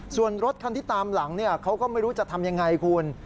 ส่วนรถคันที่ตามหลังเขาก็ไม่รู้จะทำยังไงคุณ